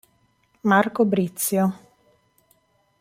Marco Brizio.